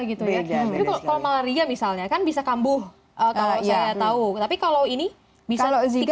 gitu ya kalau malaria misalnya kan bisa kambuh kalau saya tahu tapi kalau ini bisa lebih